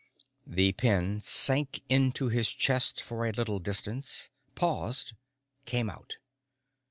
The pin sank into his chest for a little distance, paused, came out.